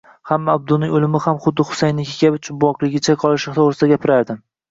Hamma Abduning o`limi ham xuddi Husaynniki kabi jumboqligicha qolishi to`g`risida gapirardi